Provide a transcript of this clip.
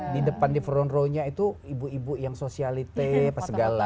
di depan di front row nya itu ibu ibu yang sosialite apa segala